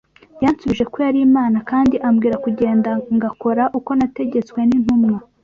Yansubije ko yari Imana kandi ambwira kugenda ngakora uko nategetswe n’intumwa.